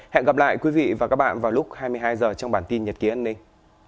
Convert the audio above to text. hẹn gặp lại quý vị và các bạn vào lúc hai mươi hai h trong bản tin nhật ký an ninh